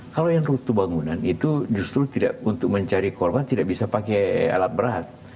kalau yang rutu bangunan itu justru untuk mencari korban tidak bisa pakai alat berat